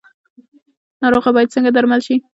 ناروغه باید څنګه درمل شي؟